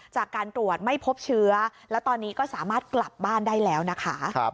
จากการตรวจไม่พบเชื้อแล้วตอนนี้ก็สามารถกลับบ้านได้แล้วนะคะ